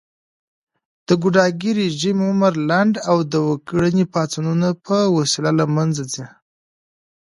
د ګوډاګي رژيمونه عمر لنډ او د وګړني پاڅونونو په وسیله له منځه ځي